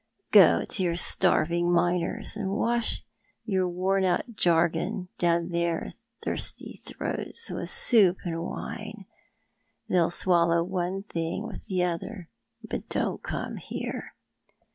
Go to your starving miners, and wash your worn out jargon down their thirsty throats with soup and wine — they'll swallow one thing with the other — but don't come here.